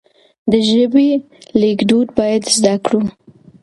د ژبې ليکدود بايد زده کړو.